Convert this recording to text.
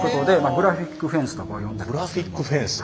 グラフィックフェンス。